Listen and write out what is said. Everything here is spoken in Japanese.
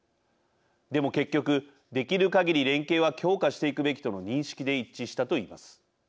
でも結局できるかぎり連携は強化していくべきとの認識で一致したと言います。